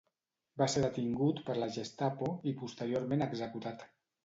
Va ser detingut per la Gestapo i posteriorment executat.